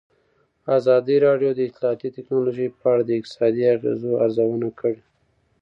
ازادي راډیو د اطلاعاتی تکنالوژي په اړه د اقتصادي اغېزو ارزونه کړې.